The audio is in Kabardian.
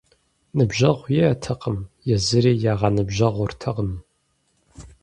Ныбжьэгъу иӀэтэкъым, езыри ягъэныбжьэгъуртэкъым.